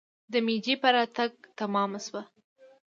د میجي په بیا راتګ تمامه شوه.